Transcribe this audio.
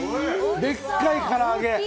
でっかい唐揚げ